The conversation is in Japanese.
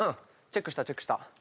チェックしたチェックした。